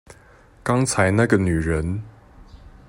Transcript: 剛才那個女人